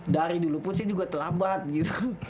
dari dulu pun saya juga telamat gitu